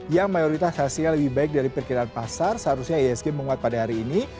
yang mayoritas hasilnya lebih baik dari perkiraan pasar seharusnya iasg menguat pada hari ini